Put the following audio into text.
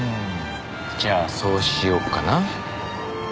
じゃあそうしようかな。